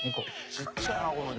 ちっちゃいなこの猫。